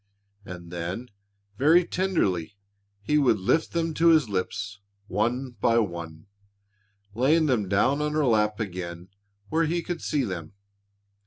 And then very tenderly, he would lift them to his lips, one by one, laying them down on her lap again where he could see them.